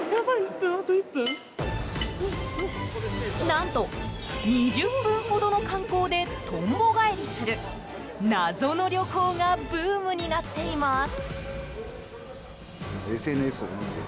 何と、２０分ほどの観光でとんぼ返りする謎の旅行がブームになっています。